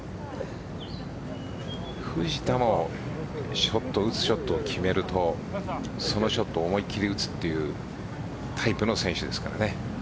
藤田もショットを打つショットを決めるとそのショットを思いっきり打つというタイプの選手ですからね。